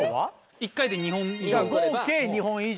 １回で２本以上。